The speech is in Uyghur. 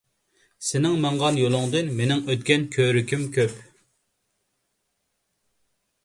سېنىڭ ماڭغان يولۇڭدىن، مېنىڭ ئۆتكەن كۆۋرۈكۈم كۆپ.